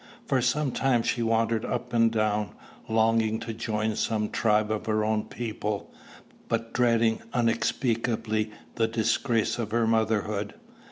For some time she wandered up and down, longing to join some tribe of her own people, but dreading unspeakably the disgrace of her motherhood.